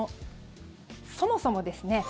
そもそもですね